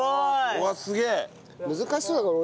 うわっすげえ！